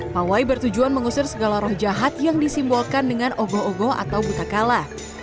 pawai bertujuan mengusir segala roh jahat yang disimbolkan dengan ogoh ogoh atau buta kala